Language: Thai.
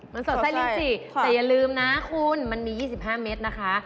มันสดไส้ลิ้นสิแต่อย่าลืมนะคุณมันมี๒๕เมตรนะคะ